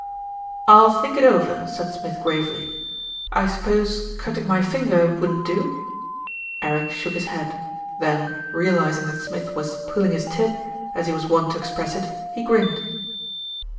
"I'll think it over," said Smith gravely. "I suppose cutting my finger wouldn't do?" Eric shook his head, then, realising that Smith was "pulling his tib," as he was wont to express it, he grinned.